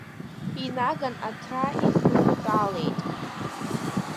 Инаган аҭра ихлыртәалеит.